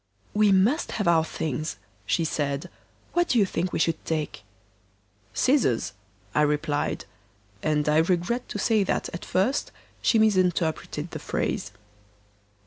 'We must have our things,' she said; 'what do you think we should take?' 'Scissors,' I replied; and I regret to say that at first she misinterpreted the phrase.